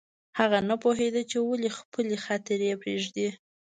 هغه نه پوهېده چې ولې خپلې خاطرې پرېږدي